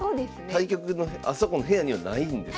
対局のあそこの部屋にはないんですね。